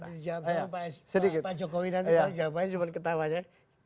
jadi jawabannya pak jokowi nanti jawabannya cuma ketawanya